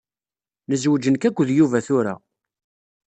Nezweǧ nekk akked Yuba tura.